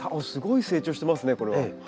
すごい成長してますねこれは。